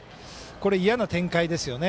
これ、嫌な展開ですよね。